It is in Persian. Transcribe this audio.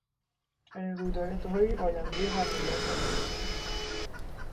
چنین رویدادهایی آیندهی هر ملت را میسازند.